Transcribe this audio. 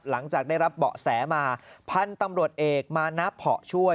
หลังจากได้รับเบาะแสมาพันธุ์ตำรวจเอกมานะเพาะช่วย